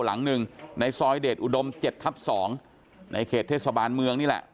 หลังหนึ่งในซอยเดชอุดม๗ทับ๒ในเขตเทศบาลเมืองนี่แหละ